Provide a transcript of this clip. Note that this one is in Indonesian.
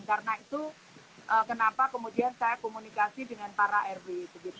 karena itu kenapa kemudian saya komunikasi dengan para rw